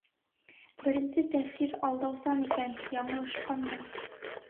Беренсе тәьҫир алдаусан икән, яңылышҡанмын.